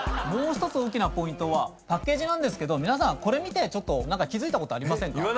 もう１つ大きなポイントはパッケージなんですけど皆さんこれ見てちょっと何か気付いたことありませんか？